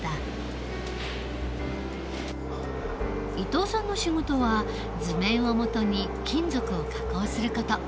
伊藤さんの仕事は図面を基に金属を加工する事。